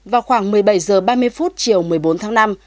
vào khoảng một mươi bảy h ba mươi phút chiều một mươi bốn tháng năm